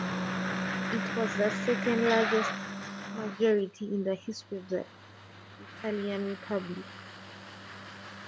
It was the second largest majority in the history of the Italian Republic.